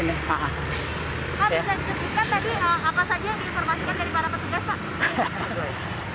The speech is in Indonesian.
pak bisa disebutkan tadi apa saja yang diinformasikan dari para petugas pak